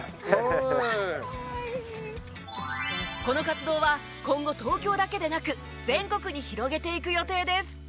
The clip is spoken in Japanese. この活動は今後東京だけでなく全国に広げていく予定です。